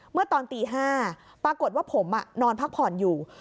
เมื่อตอนตี๕ปรากฏว่าผมนอนพักผ่อนอยู่